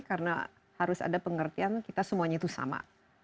karena harus ada pengertian kita semuanya itu sama